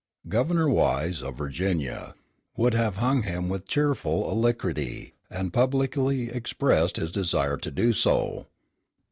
Governor Wise, of Virginia, would have hung him with cheerful alacrity, and publicly expressed his desire to do so.